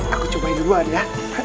aku cobain duluan ya